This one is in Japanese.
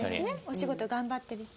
お仕事頑張ってるし。